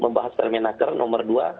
membahas permenaker nomor dua